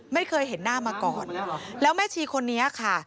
ไม่เคยเห็นหน้ามาก่อนแล้วแม่ชีคนนี้ค่ะ